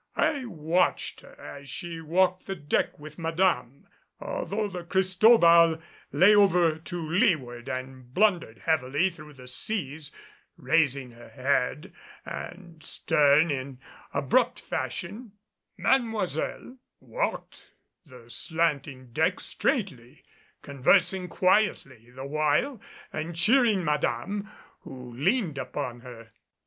I watched her as she walked the deck with Madame. Although the Cristobal lay over to leeward and blundered heavily through the seas, raising her head and stern in abrupt fashion, Mademoiselle walked the slanting deck straightly, conversing quietly the while and cheering Madame, who leaned upon her.